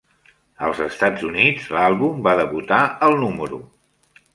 Als Estats Units, l'àlbum va debutar al número.